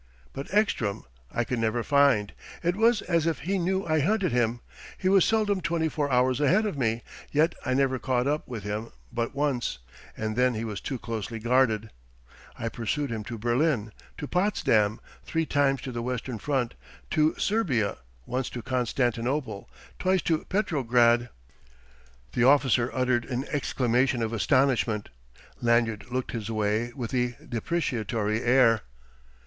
"But Ekstrom I could never find. It was as if he knew I hunted him. He was seldom twenty four hours ahead of me, yet I never caught up with him but once; and then he was too closely guarded.... I pursued him to Berlin, to Potsdam, three times to the western front, to Serbia, once to Constantinople, twice to Petrograd." The officer uttered an exclamation of astonishment. Lanyard looked his way with a depreciatory air.